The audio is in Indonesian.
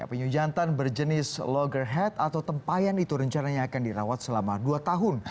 penyu jantan berjenis loggerhead atau tempayan itu rencananya akan dirawat selama dua tahun